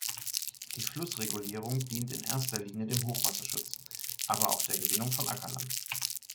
Die Flussregulierung diente in erster Linie dem Hochwasserschutz, aber auch der Gewinnung von Ackerland.